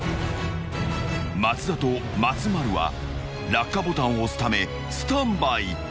［松田と松丸は落下ボタンを押すためスタンバイ］